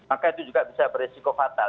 maka itu juga bisa beresiko fatal